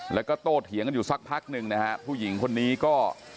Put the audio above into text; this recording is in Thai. แล้วก็โตเถียงกันอยู่สักพักหนึ่งนะฮะผู้หญิงคนนี้ก็